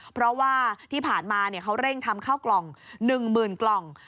เพราะว่าที่ผ่านมาเขาเร่งทำข้าวกล่อง๑๐๐๐กล่อง